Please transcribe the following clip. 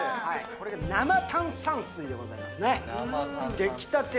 これが生炭酸水でございますねできたて